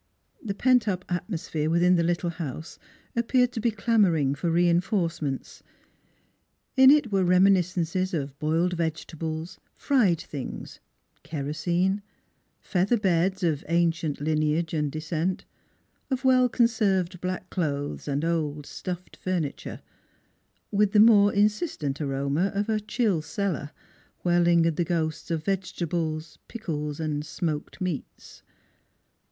The pent up atmosphere within the little house appeared to be clamoring for reinforcements; in it were reminiscences of boiled vegetables, fried things, kerosene, feather beds of ancient lineage and descent, of well conserved black clothes and old stuffed furniture, with the more insistent aroma of a chill cellar, where lingered the ghosts of vegetables, pickles, and smoked meats.